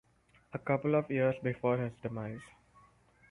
A couple of years before his demise.